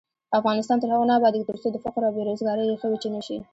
افغانستان تر هغو نه ابادیږي، ترڅو د فقر او بې روزګارۍ ریښې وچې نشي.